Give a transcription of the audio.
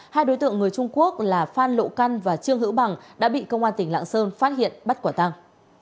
hai đối tượng người trung quốc là phan lộ căn và trương hữu bằng đã bị công an tỉnh lạng sơn phát hiện bắt quả tăng